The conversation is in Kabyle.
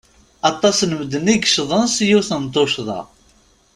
Aṭas n medden i yeccḍen s yiwet n tuccḍa.